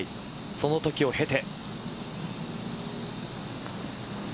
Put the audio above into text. そのときを経て。